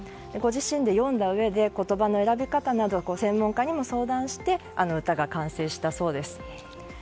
ご自身で詠んだうえで言葉の選び方などを専門家に相談してあの歌が完成したそうです。